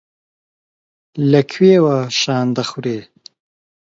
لە کوێوە شان دەخورێ.